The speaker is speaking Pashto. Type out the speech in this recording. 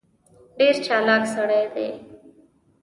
ډېر چالاک سړی دی.